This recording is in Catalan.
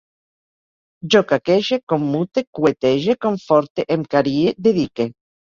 Jo caquege, commute, cuetege, conforte, em carie, dedique